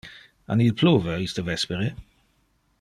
An il pluve iste vespere?